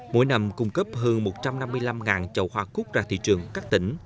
mỗi năm cung cấp hơn một trăm năm mươi năm chậu hoa cúc ra thị trường các tỉnh